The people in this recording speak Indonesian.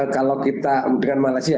kalau kita dengan malaysia